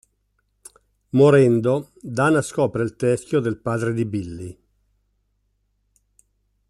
Morendo, Dana scopre il teschio del padre di Billy.